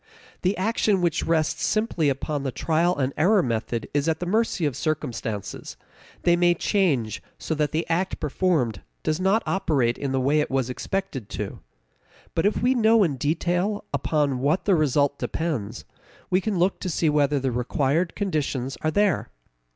The action which rests simply upon the trial and error method is at the mercy of circumstances; they may change so that the act performed does not operate in the way it was expected to. But if we know in detail upon what the result depends, we can look to see whether the required conditions are there.